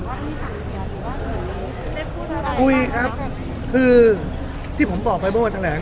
ได้พูดอะไรคุยครับคือที่ผมบอกไปเมื่อวันทางแหลง